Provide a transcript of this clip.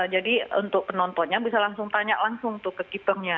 jadi untuk penontonnya bisa langsung tanya langsung tuh ke keepernya